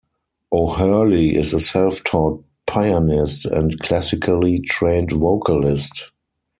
O'Hurley is a self-taught pianist and classically trained vocalist.